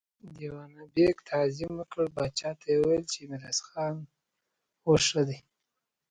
دېوان بېګ تعظيم وکړ، پاچا ته يې وويل چې ميرويس خان اوس ښه دی.